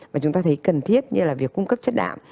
mà chúng ta thấy cần thiết như là việc cung cấp chất đạm